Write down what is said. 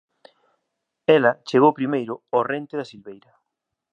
ela chegou primeiro ó rente da silveira